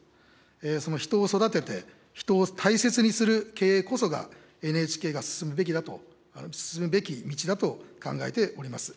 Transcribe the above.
その人を育てて、人を大切にする経営こそが、ＮＨＫが進むべきだと、進むべき道だと考えております。